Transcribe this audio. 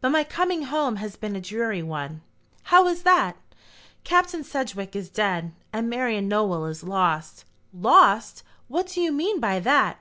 But my coming home has been a dreary one." "How is that?" "Captain Sedgewick is dead, and Marian Nowell is lost." "Lost! What do you mean by that?"